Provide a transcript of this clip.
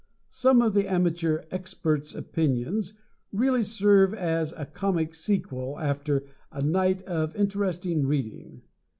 Some of the amateur experts' opinions really serve as a comic sequel after a night of interesting reading.